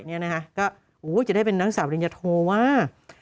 นี่นะฮะก็อู้จะได้เป็นน้องสาวเรียนจะโทว่า